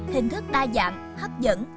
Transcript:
hình thức đa dạng hấp dẫn